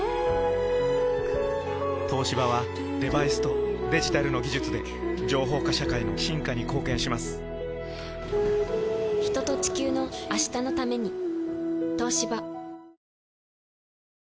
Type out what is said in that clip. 東芝はデバイスとデジタルの技術で情報化社会の進化に貢献します人と、地球の、明日のために。